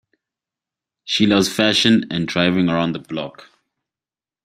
She loves fashion and driving around the block.